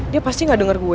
dia pasti gak denger gue